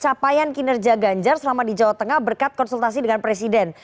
capaian kinerja ganjar selama di jawa tengah berkat konsultasi dengan presiden